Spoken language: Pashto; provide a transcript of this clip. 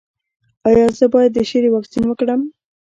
ایا زه باید د شري واکسین وکړم؟